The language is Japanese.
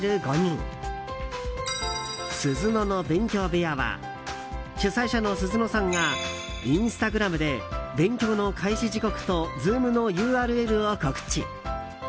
部屋は主催者のＳｕｚｕｎｏさんがインスタグラムで勉強の開始時刻とＺｏｏｍのＵＲＬを告知。